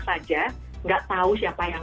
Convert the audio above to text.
saja nggak tahu siapa yang